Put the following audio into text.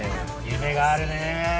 夢があるね。